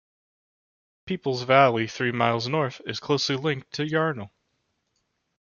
Peeples Valley, three miles north, is closely linked to Yarnell.